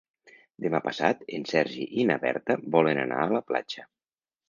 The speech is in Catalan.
Demà passat en Sergi i na Berta volen anar a la platja.